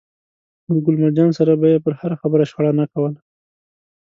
له ګل مرجان سره به يې پر هره خبره شخړه نه کوله.